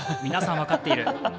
皆さん、分かっている。